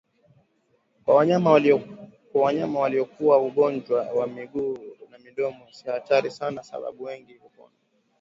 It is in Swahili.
Kwa wanyama waliokua ugonjwa wa miguu na midomo si hatari sana sababu wengi hupona